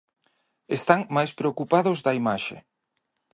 Están máis preocupados da imaxe.